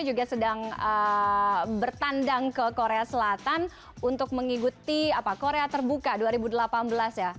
juga sedang bertandang ke korea selatan untuk mengikuti korea terbuka dua ribu delapan belas ya